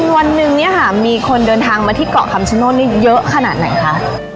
วันนึงมีคนเดินทางมาที่เกาะคำชโนธเยอะขนาดไหนค่ะ